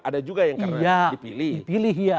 ada juga yang dipilih